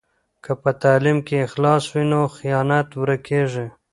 که په تعلیم کې اخلاص وي نو خیانت ورکېږي.